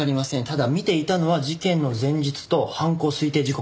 ただ見ていたのは事件の前日と犯行推定時刻です。